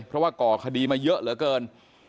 เพราะว่าก่อคดีมาเยอะเหลือเกิน